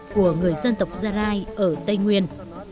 của người dân tộc sarai ở tây nguyên